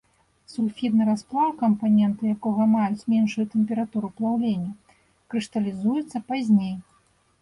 Сульфідны расплаў, кампаненты якога маюць меншую тэмпературу плаўлення, крышталізуюцца пазней.